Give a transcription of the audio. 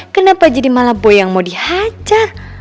kenapa jadi malah boy yang mau dihajar